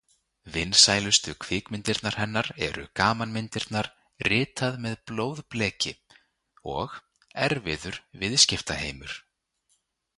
Vinsælustu kvikmyndirnar hennar eru gamanmyndirnar „Ritað með blóðbleki“ og „Erfiður viðskiptaheimur“.